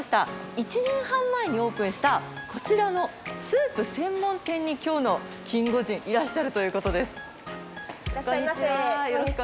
１年半前にオープンしたこちらのスープ専門店にきょうのキンゴジンいらっしゃいませ。